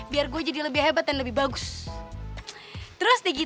biar gue bisa ngejar cita cita gue lebih tinggi